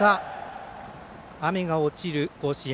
雨が落ちる甲子園。